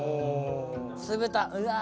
酢豚うわー！